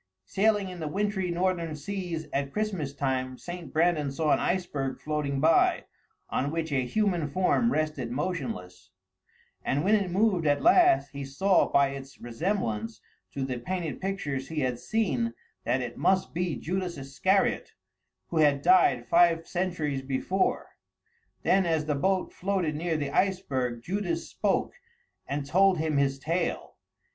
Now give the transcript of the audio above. Sailing in the wintry northern seas at Christmas time, St. Brandan saw an iceberg floating by, on which a human form rested motionless; and when it moved at last, he saw by its resemblance to the painted pictures he had seen that it must be Judas Iscariot, who had died five centuries before. Then as the boat floated near the iceberg, Judas spoke and told him his tale.